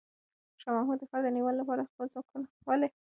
شاه محمود د ښار د نیولو لپاره د خپلو ځواکونو ملاتړ ترلاسه کړ.